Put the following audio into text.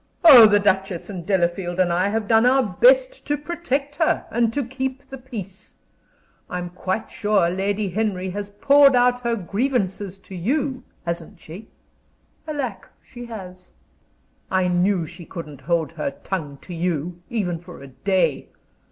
"Oh, the Duchess and Delafield and I have done our best to protect her, and to keep the peace. I am quite sure Lady Henry has poured out her grievances to you, hasn't she?" "Alack, she has!" "I knew she couldn't hold her tongue to you, even for a day.